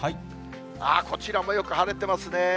ああ、こちらもよく晴れてますね。